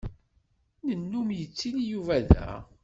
Nennum yettili Yuba da.